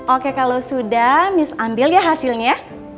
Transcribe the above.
oke kalau sudah ambil ya hasilnya